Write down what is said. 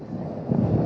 kualitas narkotik harian